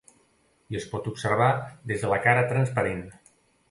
I es pot observar des de la cara transparent.